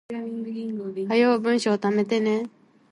早う文章溜めてね